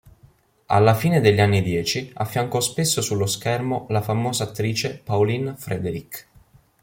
Alla fine degli anni dieci, affiancò spesso sullo schermo la famosa attrice Pauline Frederick.